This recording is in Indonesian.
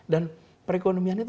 dan perekonomian itu